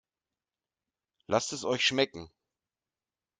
Lasst es euch schmecken!